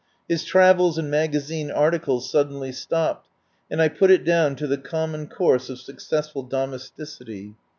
His travels and magazine articles suddenly stopped, and I put it down to the common course of successful domesticity.